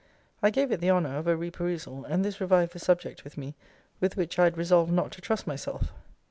I gave it the honour of a re perusal; and this revived the subject with me, with which I had resolved not to trust myself.